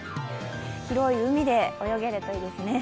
広い海で泳げるといいですね。